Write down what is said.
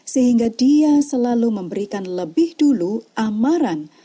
sehingga dia selalu memberikan lebih dulu amaran